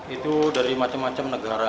itu dari macam macam negara